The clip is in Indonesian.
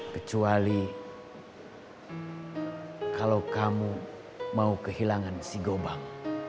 kecuali kalau kamu mau kehilangan si gobang